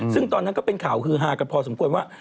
ซึ่งตอนนั้นก็เป็นข่าวฮือฮากันพอสมควรว่า